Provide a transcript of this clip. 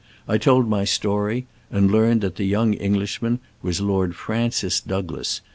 I told my story, and learned that the young Englishman was Lord Francis Douglas.